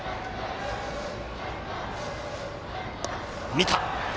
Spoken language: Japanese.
見た。